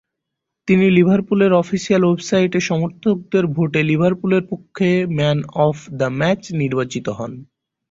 তিনি লিভারপুলের অফিসিয়াল ওয়েবসাইটে সমর্থকদের ভোটে লিভারপুলের পক্ষে ম্যান অফ দ্যা ম্যাচ নির্বাচিত হন।